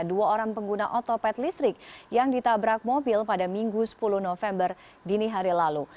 dua orang pengguna otopet listrik yang ditabrak mobil pada minggu sepuluh november dini hari lalu